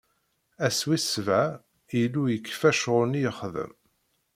Ass wis sebɛa, Illu yekfa ccɣwel-nni yexdem.